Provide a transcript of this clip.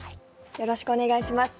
よろしくお願いします。